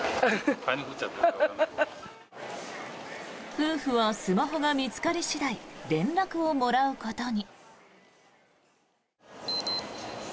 夫婦はスマホが見つかり次第連絡をもらうことに。